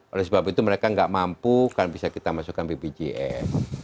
oleh sebab itu mereka nggak mampu kan bisa kita masukkan bpjs